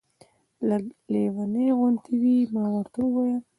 لږ لېونۍ غوندې وې. ما ورته وویل.